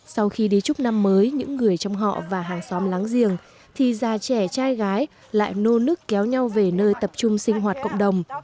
sau khi đi chúc năm mới những người trong họ và hàng xóm láng giềng thì già trẻ trai gái lại nô nức kéo nhau về nơi tập trung sinh hoạt cộng đồng